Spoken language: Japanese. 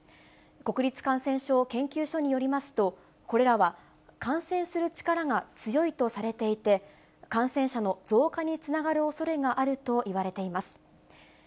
国立感染症研究所によりますと、これらは感染する力が強いとされていて、感染者の増加につながるおそれがあるといわれています。